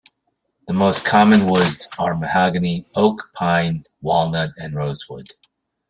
The most common woods are mahogany, oak, pine, walnut, and rosewood.